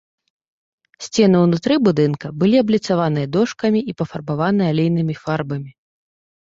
Сцены ўнутры будынка былі абліцаваныя дошкамі і пафарбаваны алейнымі фарбамі.